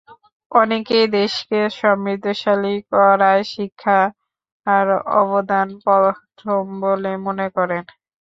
অনেকেই দেশকে সমৃদ্ধিশালী করায় শিক্ষার অবদান প্রথম বলে মনে করেন।